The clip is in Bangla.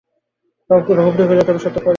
রঘুপতি কহিলেন, তবে সত্য করিয়া বলি বৎস।